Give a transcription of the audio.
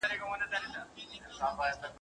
اوښ په خپلو متيازو کي گوډېږي.